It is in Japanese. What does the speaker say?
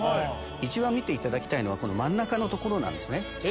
一番見ていただきたいのはこの真ん中の所なんですね。